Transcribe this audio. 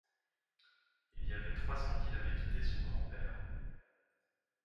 Il y avait trois ans qu’il avait quitté son grand-père.